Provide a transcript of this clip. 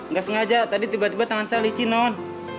nggak sengaja tadi tiba tiba tangan saya licin non